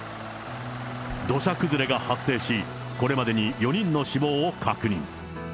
土砂崩れが発生し、これまでに４人の死亡を確認。